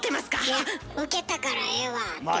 いや「ウケたからええわ」って言わはる。